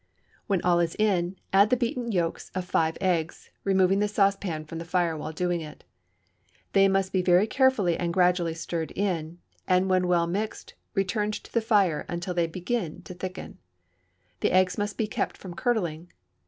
When all is in, add the beaten yolks of five eggs, removing the saucepan from the fire while doing it. They must be very carefully and gradually stirred in, and when well mixed returned to the fire until they begin to thicken. The eggs must be kept from curdling.